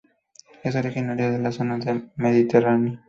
Es originaria de la zona del Mediterráneo.